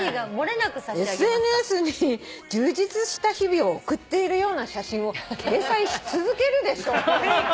「ＳＮＳに充実した日々を送っているような写真を掲載し続けるでしょう」って。